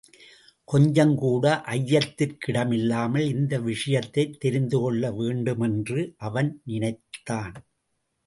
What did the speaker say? கொஞ்சங்கூட ஐயத்திற் கிடமில்லாமல் இந்த விஷயத்தைத் தெரிந்துகொள்ள வேண்டுமென்று அவன் நினைத்தான்.